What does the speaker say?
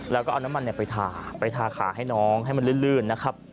แล้วก็เอาน้ำมันไปทาไปทาขาให้น้องให้มันลื่นนะครับ